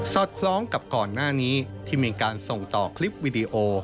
อดคล้องกับก่อนหน้านี้ที่มีการส่งต่อคลิปวิดีโอ